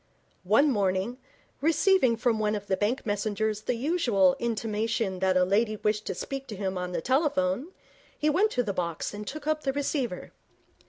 One morning, receiving from one of the bank messengers the usual intimation that a lady wished to speak to him on the telephone, he went to the box and took up the receiver.